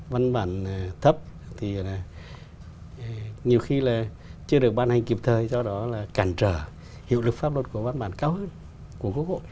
văn bản thấp thì nhiều khi là chưa được ban hành kịp thời do đó là cản trở hiệu lực pháp luật của văn bản cao hơn của quốc hội